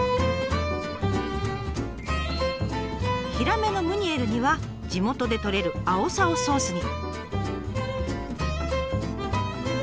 ヒラメのムニエルには地元でとれるあおさをソースに。